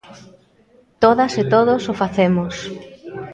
Todas e todos o facemos.